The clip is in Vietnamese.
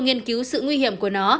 nghiên cứu sự nguy hiểm của nó